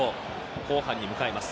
後半に向かいます。